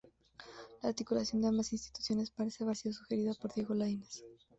La articulación de ambas instituciones parece haber sido sugerida por Diego Laínez.